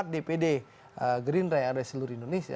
tiga puluh empat dpd gerindra yang ada di seluruh indonesia